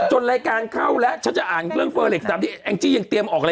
ให้ความพยายามของหลอนยอม